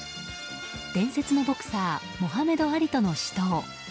伝説のボクサーモハメド・アリとの死闘。